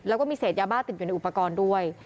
แล้วก็มีเศษยาบ้าติดอยู่ในอุปกรณ์ด้วย